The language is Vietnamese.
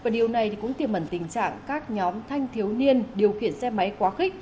điều này cũng tiềm ẩn tình trạng các nhóm thanh thiếu niên điều khiển xe máy quá khích